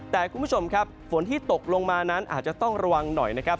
แต่คุณผู้ชมครับฝนที่ตกลงมานั้นอาจจะต้องระวังหน่อยนะครับ